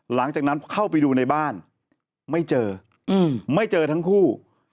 หลังจากนั้นเข้าไปดูในบ้านไม่เจอไม่เจอทั้งคู่